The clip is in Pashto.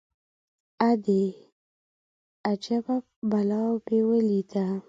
_ادې! اجبه بلا مې وليده.